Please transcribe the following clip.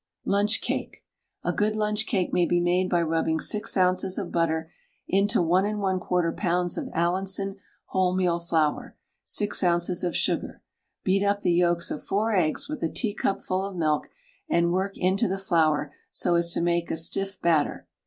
LUNCH CAKE. A good lunch cake may be made by rubbing 6 oz. of butter into 1 1/4 lbs. of Allinson wholemeal flour, 6 oz. of sugar. Beat up the yolks of 4 eggs with a teacupful of milk, and work into the flour so as to make a stiff batter.